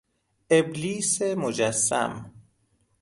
ابلیس مجسم